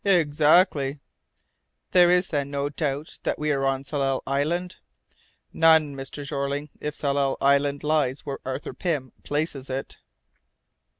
"Exactly." "There is, then, no doubt that we are on Tsalal Island?" "None, Mr. Jeorling, if Tsalal Island lies where Arthur Pym places it."